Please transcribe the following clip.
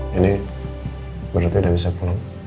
jadi berarti udah bisa pulang